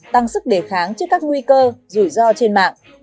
tăng sức đề kháng trước các nguy cơ rủi ro trên mạng